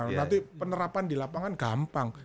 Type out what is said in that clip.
nanti penerapan di lapangan gampang